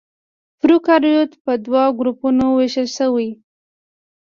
پروکاريوت په دوه ګروپونو وېشل شوي.